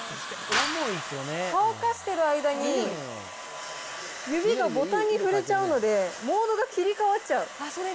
乾かしてる間に指がボタンに触れちゃうので、モードが切り替わっちゃう。